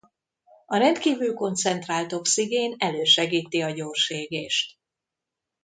A rendkívül koncentrált oxigén elősegíti a gyors égést.